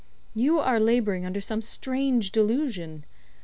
You are labouring under some strange delusion.